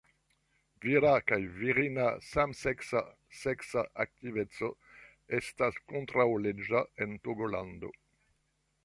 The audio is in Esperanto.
Vira kaj virina samseksa seksa aktiveco estas kontraŭleĝa en Togolando.